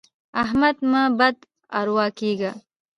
احمده مه بد اروا کېږه.